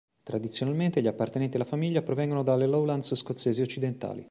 Tradizionalmente gli appartenenti alla famiglia provengono dalle Lowlands scozzesi occidentali.